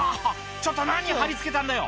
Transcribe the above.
ちょっと何貼り付けたんだよ？」